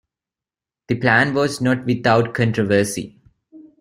The plan was not without controversy.